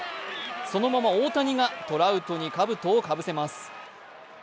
そのまま大谷がトラウトにかぶとをかぶせます。